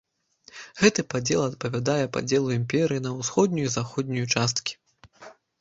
Гэты падзел адпавядае падзелу імперыі на усходнюю і заходнюю часткі.